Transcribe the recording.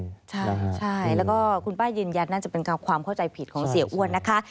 ใช่แล้วก็คุณป้ายืนยันน่าจะเป็นความเข้าใจผิดของเสียอ้วนนะคะ